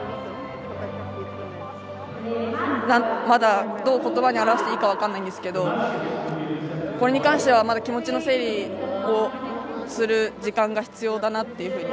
まだ、どう言葉に表していいか分からないんですがこれに関しては、まだ気持ちの整理をする時間が必要だなという